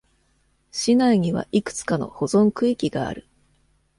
市内にはいくつかの保存区域がある。